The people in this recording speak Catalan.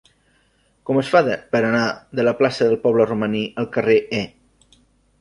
Com es fa per anar de la plaça del Poble Romaní al carrer E?